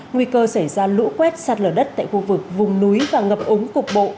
nguy cơ xảy ra lũ quét sạt lở đất tại khu vực vùng núi và ngập úng cục bộ